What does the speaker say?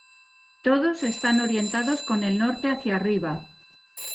Todos están orientados con el norte hacia arriba.